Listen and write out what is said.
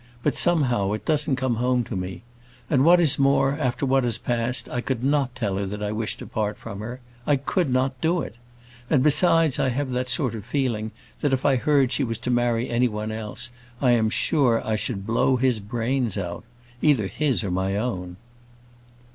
But, somehow, it doesn't come home to me. And what is more, after what has passed, I could not tell her that I wish to part from her. I could not do it. And besides, I have that sort of feeling, that if I heard she was to marry any one else, I am sure I should blow his brains out. Either his or my own."